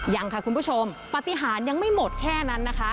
ยังค่ะคุณผู้ชมปฏิหารยังไม่หมดแค่นั้นนะคะ